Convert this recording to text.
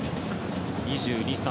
２２歳。